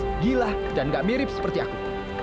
dia kurus gila dan tidak mirip dengan aku